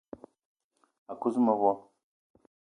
A kuz mevo